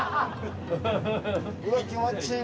うわ気持ちいい！